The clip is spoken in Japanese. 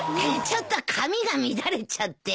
ちょっと髪が乱れちゃって。